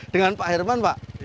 dengan pak herman pak